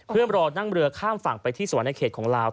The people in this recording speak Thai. เพื่อรอนั่งเรือข้ามฝั่งไปที่สวรรณเขตของลาว